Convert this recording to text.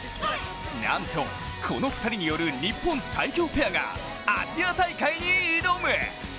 なんとこの２人による日本最強ペアがアジア大会に挑む。